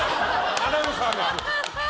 アナウンサーが。